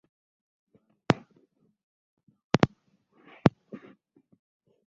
Twaleeta ennongoosereza wano naye mwazigoba.